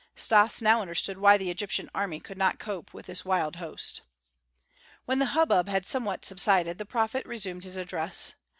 Stas now understood why the Egyptian army could not cope with this wild host. When the hubbub had somewhat subsided, the prophet resumed his address.